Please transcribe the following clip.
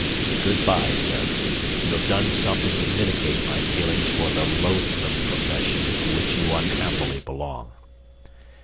Good bye, sir. You have done something to mitigate my feelings for the loathsome profession to which you unhappily belong.